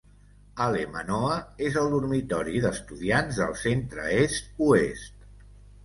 Hale Manoa és el dormitori d'estudiants del Centre Est-Oest.